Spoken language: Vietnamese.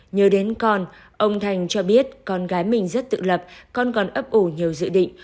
nhớ đến con ông thành cho biết con gái mình rất tự lập con còn ấp ổ nhiều dự định